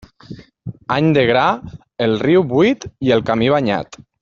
Any de gra, el riu buit i el camí banyat.